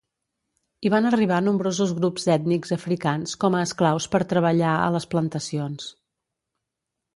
Hi van arribar nombrosos grups ètnics africans com a esclaus per treballar a les plantacions.